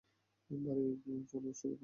বাড়ি চল উৎসবের পর চলে যাবি।